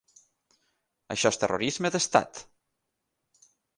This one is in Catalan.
Això és terrorisme d’estat.